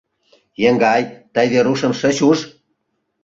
— Еҥгай, тый Верушым шыч уж?